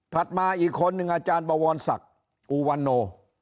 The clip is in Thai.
มาอีกคนนึงอาจารย์บวรศักดิ์อุวันโน